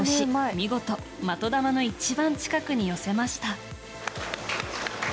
見事、的球の一番近くに寄せました。